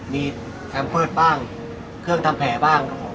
มีแพมเตอร์บ้างเครื่องทำแผลบ้าง